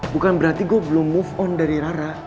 bukan berarti gue belum move on dari rara